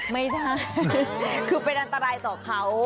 ไม่ใช่คือเป็นอันตรายต่อเขา